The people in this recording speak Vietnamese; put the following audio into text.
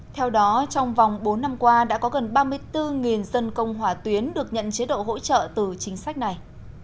theo đó trong vòng bốn năm qua đã có gần ba mươi bốn dân công hỏa tuyến được nhận chế độ hỗ trợ từ chính sách này